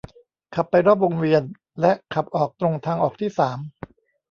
ขับไปรอบวงเวียน และขับออกตรงทางออกที่สาม